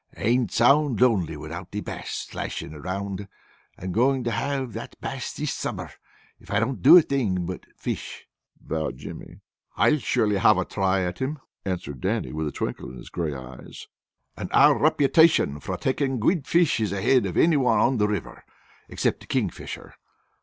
"And sound lonely without the Bass slashing around! I am going to have that Bass this summer if I don't do a thing but fish!" vowed Jimmy. "I'll surely have a try at him," answered Dannie, with a twinkle in his gray eyes. "We've caught most everything else in the Wabash, and our reputation fra taking guid fish is ahead of any one on the river, except the Kingfisher.